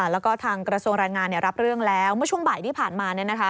แล้วก็ทางกระทรวงรายงานเนี่ยรับเรื่องแล้วเมื่อช่วงบ่ายที่ผ่านมาเนี่ยนะคะ